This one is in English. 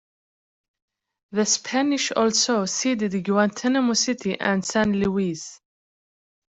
The Spanish also ceded Guantanamo City and San Luis.